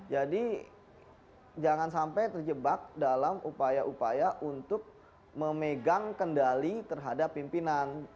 jadi jangan sampai terjebak dalam upaya upaya untuk memegang kendali terhadap pimpinan